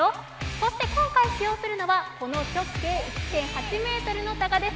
そして今回、使用するのは、この直径１．８メートルのタガです。